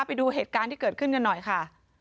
ไปดูเหตุการณ์ที่เกิดขึ้นกันหน่อยค่ะ